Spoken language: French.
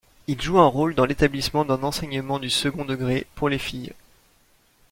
Il joue un rôle dans l'établissement d'un enseignement du second degré pour les filles.